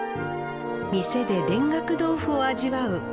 店で田楽豆腐を味わう